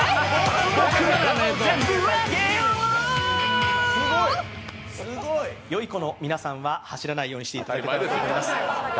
僕を全部あげよう良い子の皆さんは走らないようにしていただければと思います。